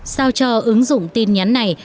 sao cho ứng dụng tin nhắn này